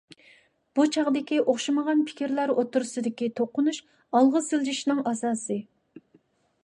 بۇ چاغدىكى ئوخشىمىغان پىكىرلەر ئوتتۇرسىدىكى توقۇنۇش ئالغا سىلجىشنىڭ ئاساسى.